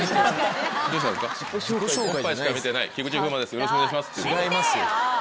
「よろしくお願いします」。